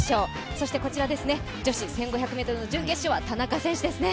そしてこちら、女子１５００ｍの準決勝は田中選手ですね。